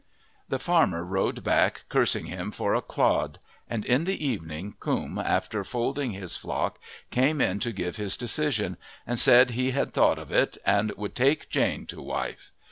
The farmer rode back cursing him for a clod; and in the evening Coombe, after folding his flock, came in to give his decision, and said he had thought of it and would take Jane to wife.